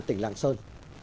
tỉnh lạng sơn